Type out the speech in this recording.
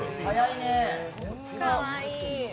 かわいい。